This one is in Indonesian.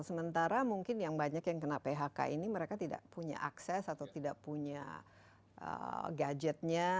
sementara mungkin yang banyak yang kena phk ini mereka tidak punya akses atau tidak punya gadgetnya